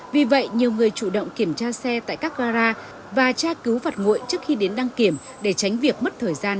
vì vậy nhiều người chủ động kiểm tra xe tại các gara và tra cứu vật nguội trước khi đến đăng kiểm để tránh việc mất thời gian